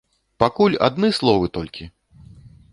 Пакуль адны словы толькі!